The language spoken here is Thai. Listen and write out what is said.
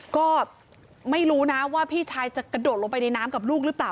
ก็ไม่รู้นะว่าพี่ชายจะกระโดดลงไปในน้ำกับลูกหรือเปล่า